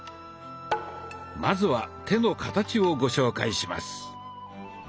まずは手の形をご紹介します。